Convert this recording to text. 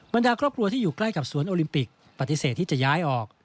ดาครอบครัวที่อยู่ใกล้กับสวนโอลิมปิกปฏิเสธที่จะย้ายออก